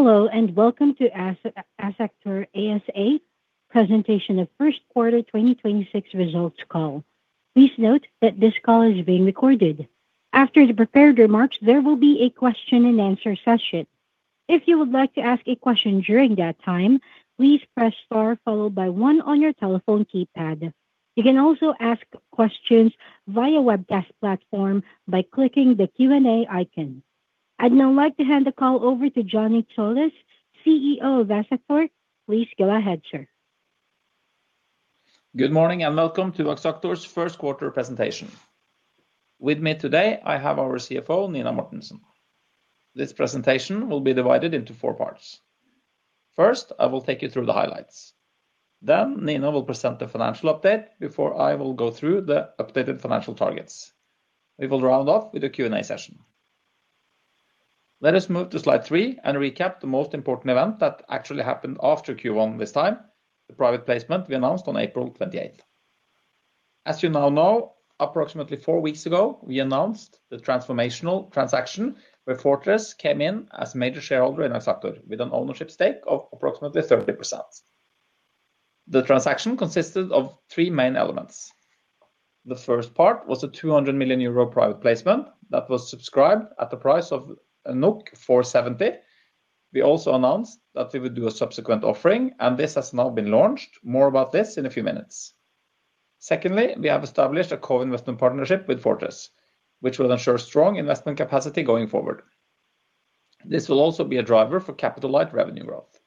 Hello, and welcome to Axactor ASA presentation of first quarter 2026 results call. Please note that this call is being recorded. After the prepared remarks, there will be a question-and-answer session. If you would like to ask a question during that time, please press star followed by one on your telephone keypad. You can also ask questions via webcast platform by clicking the Q&A icon. I'd now like to hand the call over to Johnny Tsolis, CEO of Axactor. Please go ahead, sir. Good morning, and welcome to Axactor's first quarter presentation. With me today, I have our CFO, Nina Mortensen. This presentation will be divided into four parts. First, I will take you through the highlights. Nina will present the financial update before I will go through the updated financial targets. We will round off with a Q&A session. Let us move to slide three and recap the most important event that actually happened after Q1 this time, the private placement we announced on April 28th. As you now know, approximately four weeks ago, we announced the transformational transaction where Fortress came in as a major shareholder in Axactor with an ownership stake of approximately 30%. The transaction consisted of three main elements. The first part was a 200 million euro private placement that was subscribed at the price of 4.70. We also announced that we would do a subsequent offering and this has now been launched. More about this in a few minutes. Secondly, we have established a co-investment partnership with Fortress, which will ensure strong investment capacity going forward. This will also be a driver for capital-light revenue growth.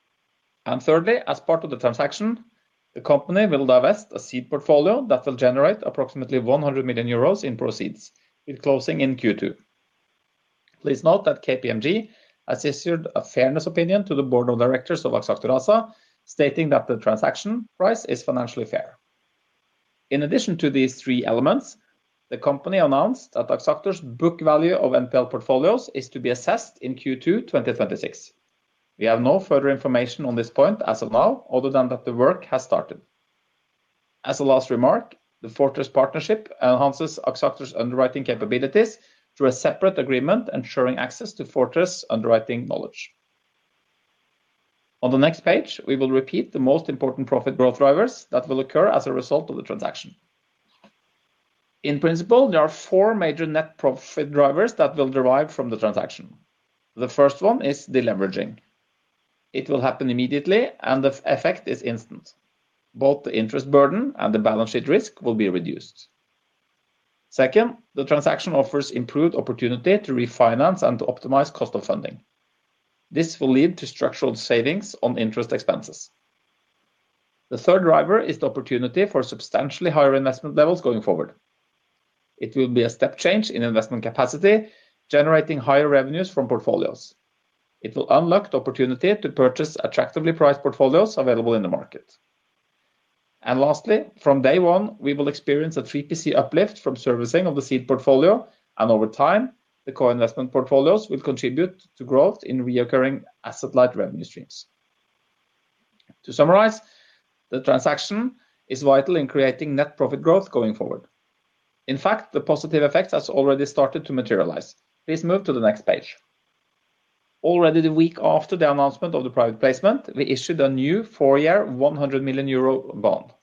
Thirdly, as part of the transaction, the company will divest a seed portfolio that will generate approximately 100 million euros in proceeds with closing in Q2. Please note that KPMG has issued a fairness opinion to the Board of Directors of Axactor ASA, stating that the transaction price is financially fair. In addition to these three elements, the company announced that Axactor's book value of NPL portfolios is to be assessed in Q2 2026. We have no further information on this point as of now, other than that the work has started. As a last remark, the Fortress partnership enhances Axactor's underwriting capabilities through a separate agreement ensuring access to Fortress underwriting knowledge. On the next page, we will repeat the most important profit growth drivers that will occur as a result of the transaction. In principle, there are four major net profit drivers that will derive from the transaction. The first one is deleveraging. It will happen immediately, and the effect is instant. Both the interest burden and the balance sheet risk will be reduced. Second, the transaction offers improved opportunity to refinance and to optimize cost of funding. This will lead to structural savings on interest expenses. The third driver is the opportunity for substantially higher investment levels going forward. It will be a step change in investment capacity, generating higher revenues from portfolios. It will unlock the opportunity to purchase attractively priced portfolios available in the market. Lastly, from day one, we will experience a 3PC uplift from servicing of the seed portfolio, and over time, the co-investment portfolios will contribute to growth in reoccurring asset-light revenue streams. To summarize, the transaction is vital in creating net profit growth going forward. In fact, the positive effects has already started to materialize. Please move to the next page. Already the week after the announcement of the private placement, we issued a new four-year, 100 million euro bond.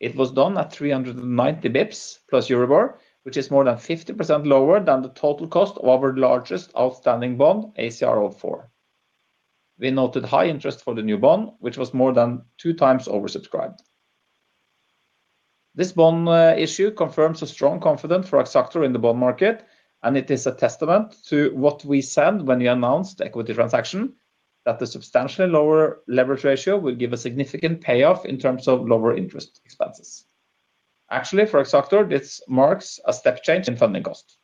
It was done at 390 basis points plus Euribor, which is more than 50% lower than the total cost of our largest outstanding bond, ACR04. We noted high interest for the new bond, which was more than 2x oversubscribed. This bond issue confirms a strong confidence for Axactor in the bond market, and it is a testament to what we said when we announced the equity transaction, that the substantially lower leverage ratio will give a significant payoff in terms of lower interest expenses. Actually, for Axactor, this marks a step change in funding cost.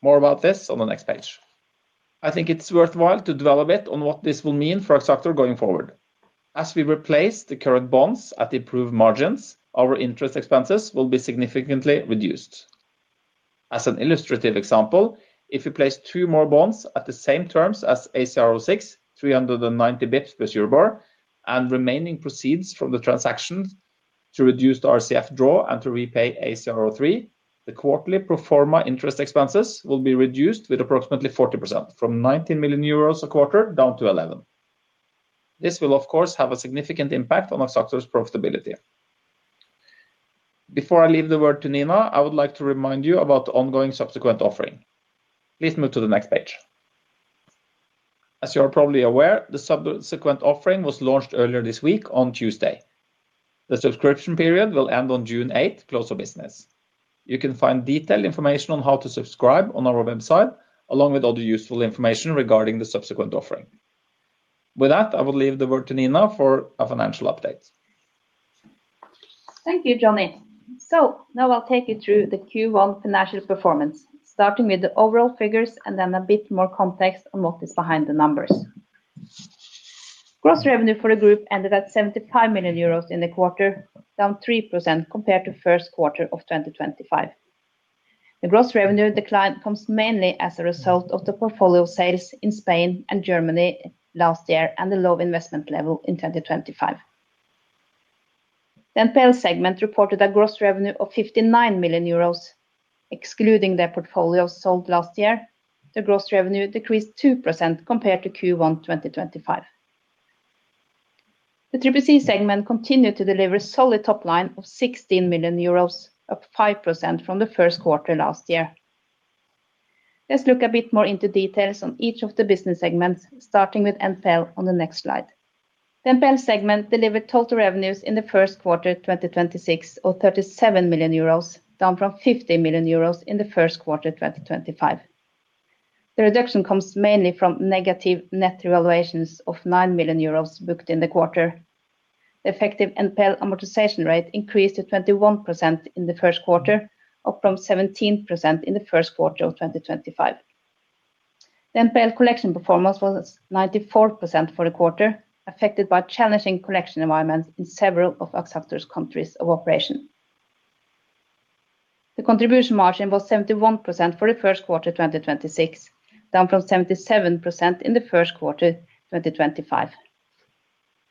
More about this on the next page. I think it's worthwhile to develop it on what this will mean for Axactor going forward. As we replace the current bonds at improved margins, our interest expenses will be significantly reduced. As an illustrative example, if we place two more bonds at the same terms as ACR06, 390 basis points plus Euribor, and remaining proceeds from the transaction to reduce the RCF draw and to repay ACR03, the quarterly pro forma interest expenses will be reduced with approximately 40%, from 19 million euros a quarter down to 11 million. This will, of course, have a significant impact on Axactor's profitability. Before I leave the word to Nina, I would like to remind you about the ongoing subsequent offering. Please move to the next page. As you are probably aware, the subsequent offering was launched earlier this week on Tuesday. The subscription period will end on June 8th, close of business. You can find detailed information on how to subscribe on our website, along with other useful information regarding the subsequent offering. With that, I will leave the word to Nina for a financial update. Thank you, Johnny. Now I'll take you through the Q1 financial performance, starting with the overall figures and then a bit more context on what is behind the numbers. Gross revenue for the group ended at 75 million euros in the quarter, down 3% compared to first quarter of 2025. The gross revenue decline comes mainly as a result of the portfolio sales in Spain and Germany last year and the low investment level in 2025. The NPL segment reported a gross revenue of 59 million euros. Excluding their portfolios sold last year, their gross revenue decreased 2% compared to Q1 2025. The 3PC segment continued to deliver solid top line of 16 million euros, up 5% from the first quarter last year. Let's look a bit more into details on each of the business segments, starting with NPL on the next slide. The NPL segment delivered total revenues in the first quarter of 2026 of 37 million euros, down from 50 million euros in the first quarter of 2025. The reduction comes mainly from negative net revaluations of 9 million euros booked in the quarter. The effective NPL amortization rate increased to 21% in the first quarter, up from 17% in the first quarter of 2025. The NPL collection performance was 94% for the quarter, affected by challenging collection environments in several of Axactor's countries of operation. The contribution margin was 71% for the first quarter 2026, down from 77% in the first quarter 2025.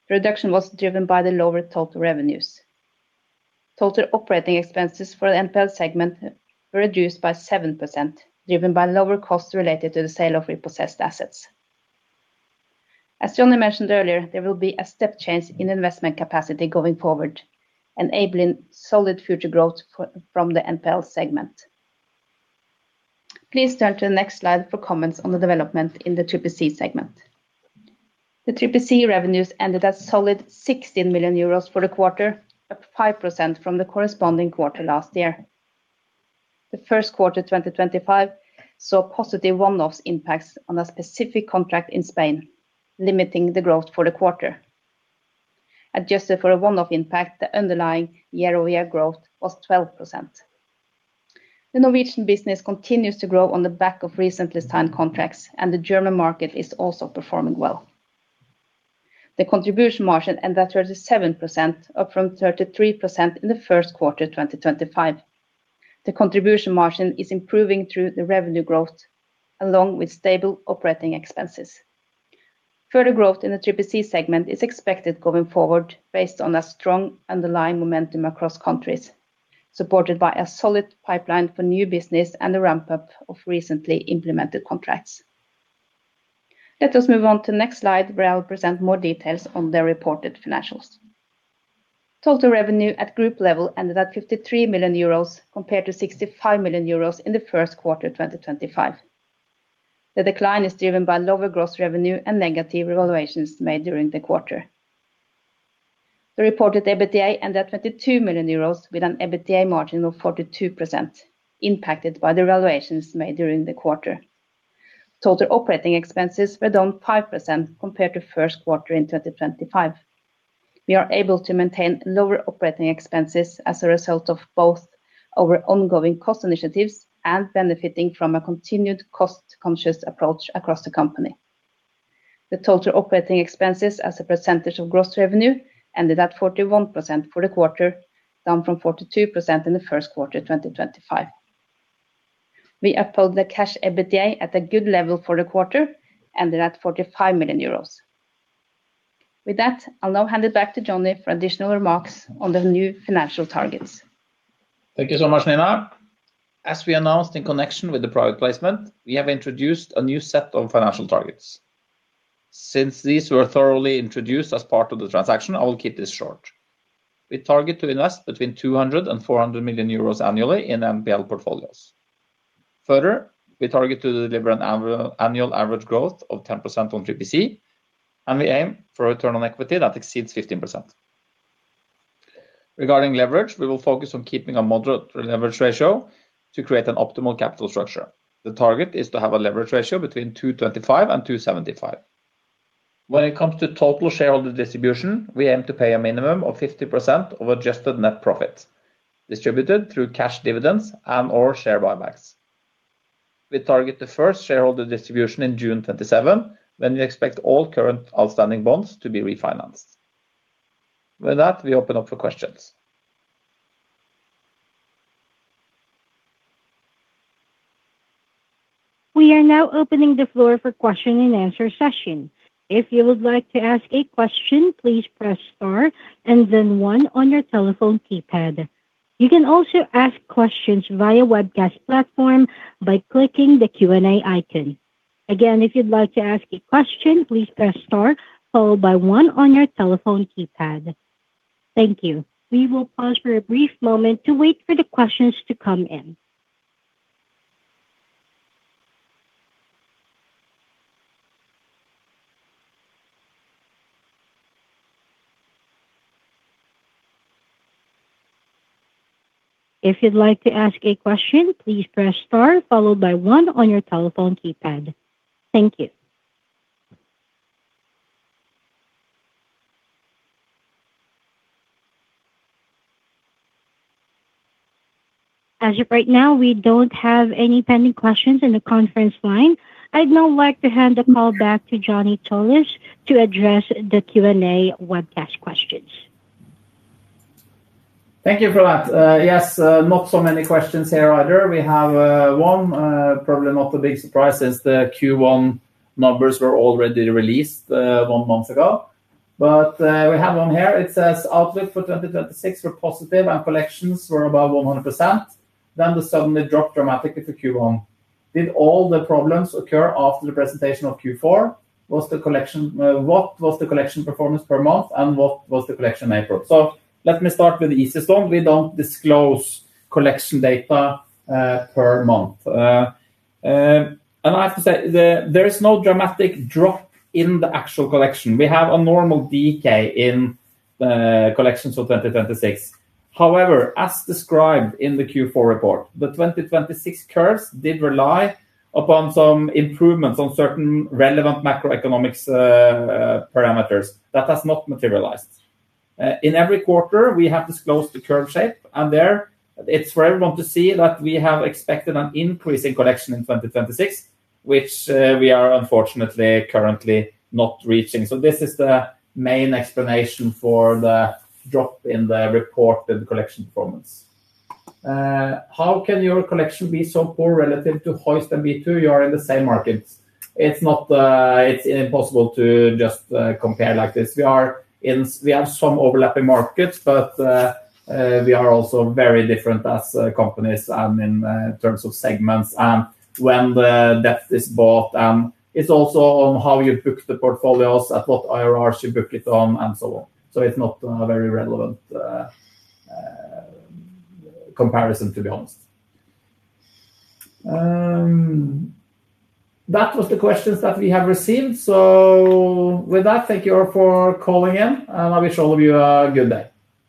Reduction was driven by the lower total revenues. Total operating expenses for the NPL segment were reduced by 7%, driven by lower costs related to the sale of repossessed assets. As Johnny mentioned earlier, there will be a step change in investment capacity going forward, enabling solid future growth from the NPL segment. Please turn to the next slide for comments on the development in the 3PC segment. The 3PC revenues ended at solid 16 million euros for the quarter, up 5% from the corresponding quarter last year. The first quarter 2025 saw positive one-offs impacts on a specific contract in Spain, limiting the growth for the quarter. Adjusted for a one-off impact, the underlying year-over-year growth was 12%. The Norwegian business continues to grow on the back of recently signed contracts, and the German market is also performing well. The contribution margin ended at 37%, up from 33% in the first quarter 2025. The contribution margin is improving through the revenue growth, along with stable operating expenses. Further growth in the 3PC segment is expected going forward based on a strong underlying momentum across countries, supported by a solid pipeline for new business and the ramp-up of recently implemented contracts. Let us move on to the next slide, where I will present more details on the reported financials. Total revenue at group level ended at 53 million euros compared to 65 million euros in the first quarter of 2025. The decline is driven by lower gross revenue and negative revaluations made during the quarter. The reported EBITDA ended at 22 million euros with an EBITDA margin of 42%, impacted by the revaluations made during the quarter. Total operating expenses were down 5% compared to first quarter in 2025. We are able to maintain lower operating expenses as a result of both our ongoing cost initiatives and benefiting from a continued cost-conscious approach across the company. The total operating expenses as a percentage of gross revenue ended at 41% for the quarter, down from 42% in the first quarter 2025. We uphold the cash EBITDA at a good level for the quarter, ended at 45 million euros. With that, I'll now hand it back to Johnny for additional remarks on the new financial targets. Thank you so much, Nina. As we announced in connection with the private placement, we have introduced a new set of financial targets. Since these were thoroughly introduced as part of the transaction, I will keep this short. We target to invest between 200 million euros and 400 million euros annually in NPL portfolios. Further, we target to deliver an annual average growth of 10% on 3PC. We aim for a return on equity that exceeds 15%. Regarding leverage, we will focus on keeping a moderate leverage ratio to create an optimal capital structure. The target is to have a leverage ratio between 2.25x and 2.75x. When it comes to total shareholder distribution, we aim to pay a minimum of 50% of adjusted net profits distributed through cash dividends and/or share buybacks. We target the first shareholder distribution in June 2027, when we expect all current outstanding bonds to be refinanced. With that, we open up for questions. We are now opening the floor for question-and-answer session. If you would like to ask a question, please press star and then one on your telephone keypad. You can also ask questions via webcast platform by clicking the Q&A icon. Again, if you'd like to ask a question, please press star followed by one on your telephone keypad. Thank you. We will pause for a brief moment to wait for the questions to come in. If you'd like to ask a question, please press star followed by one on your telephone keypad. Thank you. As of right now, we don't have any pending questions in the conference line. I'd now like to hand the call back to Johnny Tsolis to address the Q&A webcast questions. Thank you for that. Yes, not so many questions here either. We have one. Probably not the big surprise since the Q1 numbers were already released one month ago. We have one here. It says outlook for 2026 were positive and collections were above 100%, then they suddenly dropped dramatically for Q1. Did all the problems occur after the presentation of Q4? What was the collection performance per month, and what was the collection April? Let me start with the easiest one. We don't disclose collection data per month. I have to say, there is no dramatic drop in the actual collection. We have a normal decay in the collections of 2026. However, as described in the Q4 report, the 2026 curves did rely upon some improvements on certain relevant macroeconomics parameters that has not materialized. In every quarter, we have disclosed the curve shape, and there it's for everyone to see that we have expected an increase in collection in 2026, which we are unfortunately currently not reaching. This is the main explanation for the drop in the reported collection performance. How can your collection be so poor relative to Hoist and B2? You are in the same markets. It's impossible to just compare like this. We have some overlapping markets, but we are also very different as companies and in terms of segments and when the debt is bought, and it's also on how you book the portfolios, at what IRRs you book it on and so on. It's not a very relevant comparison, to be honest. That was the questions that we have received. With that, thank you all for calling in, and I wish all of you a good day.